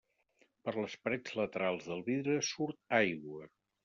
Per les parets laterals del vidre surt aigua.